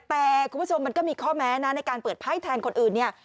แต่คุณผู้ชมมันก็มีข้อแม้นะในการเปิดไพ่แทนคนอื่นเนี่ย